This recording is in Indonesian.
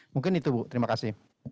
mungkin itu bu terima kasih